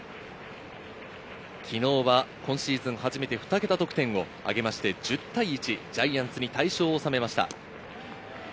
昨日は今シーズン初めてふた桁得点を挙げまして、１０対１、ジャイアンツに快勝を収めました。